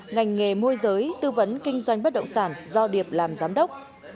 ngành nghề môi giới tư vấn kinh doanh bất động sản do điệp làm giám đốc